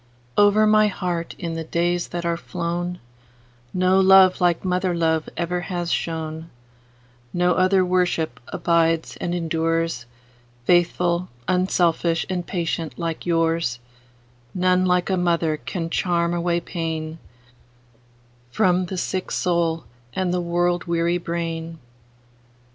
Over my heart, in the days that are flown, No love like mother love ever has shone; No other worship abides and endures,—Faithful, unselfish, and patient like yours:None like a mother can charm away painFrom the sick soul and the world weary brain.